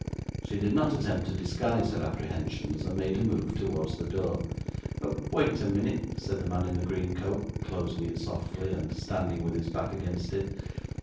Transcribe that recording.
She did not attempt to disguise her apprehensions, and made a move towards the door. 'Wait a minnit,' said the man in the green coat, closing it softly, and standing with his back against it.